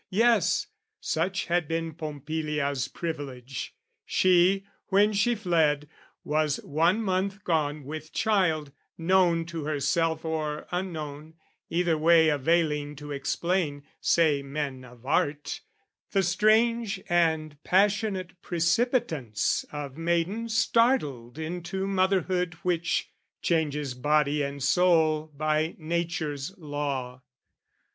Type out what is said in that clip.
Yes, such had been Pompilia's privilege: She, when she fled, was one month gone with child, Known to herself or unknown, either way Availing to explain (say men of art) The strange and passionate precipitance Of maiden startled into motherhood Which changes body and soul by nature's law.